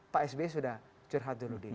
pak sbi sudah curhat dulu